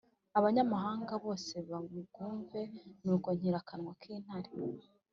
abanyamahanga bose babwumve nuko nkira akanwa k’intare”